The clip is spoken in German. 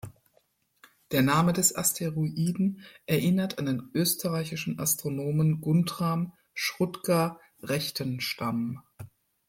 Der Name des Asteroiden erinnert an den österreichischen Astronomen Guntram Schrutka-Rechtenstamm.